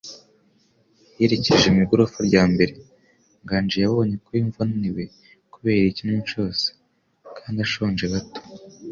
Yerekeje mu igorofa rya mbere, Nganji yabonye ko yumva ananiwe kubera iyi kinamico yose, kandi ashonje gato.